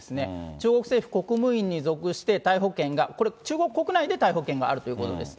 中国政府、国務院に属して逮捕権が、これ、中国国内で逮捕権があるということです。